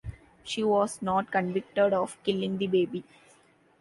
She was not convicted of killing the baby.